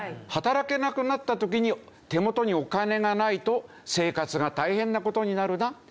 働けなくなった時に手元にお金がないと生活が大変な事になるな。